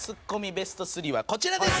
ベスト３はこちらです！